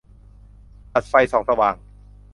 ตัดไฟส่องสว่าง